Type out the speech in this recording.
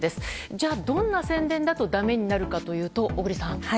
じゃあ、どんな宣伝だとだめになるかというと小栗さん。